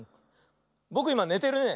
ぼくいまねてるね。